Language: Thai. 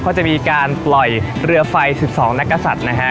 ก็จะมีการปล่อยเรือไฟ๑๒นักศัตริย์นะฮะ